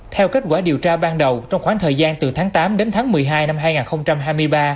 theo kết quả điều tra ban đầu trong khoảng thời gian từ tháng tám đến tháng một mươi hai năm hai nghìn hai mươi ba